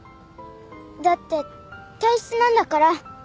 だって体質なんだから